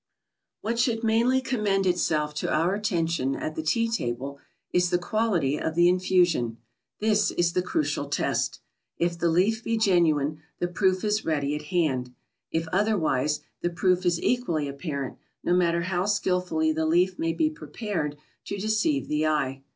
What should mainly commend itself to our attention at the tea table, is the quality of the infusion. This is the crucial test. If the leaf be genuine, the proof is ready at hand. If otherwise, the proof is equally apparent, no matter how skilfully the leaf may be prepared to deceive the eye.